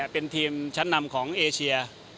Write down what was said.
เป็นทีมชั้นนำของเอเชีย